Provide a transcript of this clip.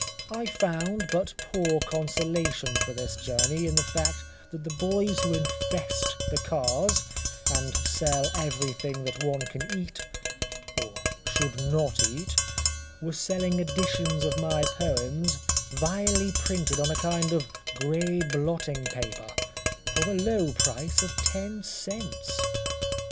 I found but poor consolation for this journey in the fact that the boys who infest the cars and sell everything that one can eat or should not eat were selling editions of my poems vilely printed on a kind of grey blotting paper, for the low price of ten cents.